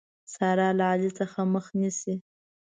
سارا له علي څخه مخ نيسي.